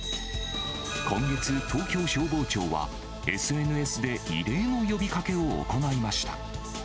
今月、東京消防庁は、ＳＮＳで異例の呼びかけを行いました。